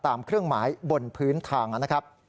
เครื่องหมายบนพื้นทางนะครับ